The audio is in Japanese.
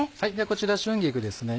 こちら春菊ですね。